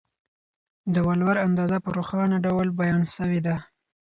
د ولور اندازه په روښانه ډول بیان سوې ده.